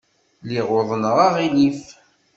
Lliɣ uḍneɣ aɣilif.